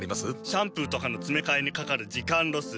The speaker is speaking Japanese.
シャンプーとかのつめかえにかかる時間ロス。